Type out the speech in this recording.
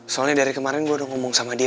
soalnya dari kemarin gue udah ngomong sama dia